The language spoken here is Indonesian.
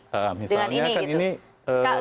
dengan ini gitu